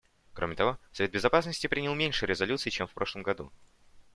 Кроме того, Совет Безопасности принял меньше резолюций, чем в прошлом году.